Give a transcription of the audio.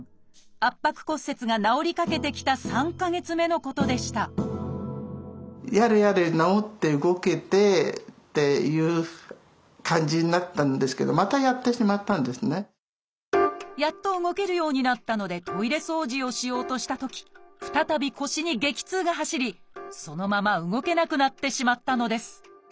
圧迫骨折が治りかけてきた３か月目のことでしたやっと動けるようになったのでトイレ掃除をしようとしたとき再び腰に激痛が走りそのまま動けなくなってしまったのです。